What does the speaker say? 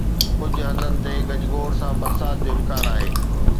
ڪجهه هنڌن تي گجگوڙ سان برسات جو امڪان آهي